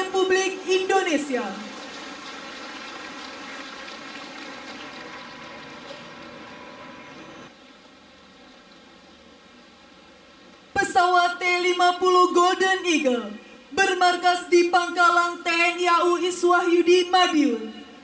pesawat t lima puluh golden eagle bermarkas di pangkalan tniau iswahyudi madiun